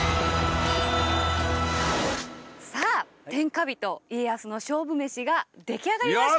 さあ天下人家康の勝負メシが出来上がりました！